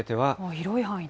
広い範囲だ。